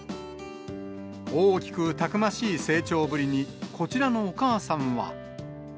大きくたくましい成長ぶりに、こちらのお母さんは。